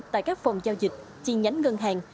tại các phòng giao dịch chi nhánh ngân hàng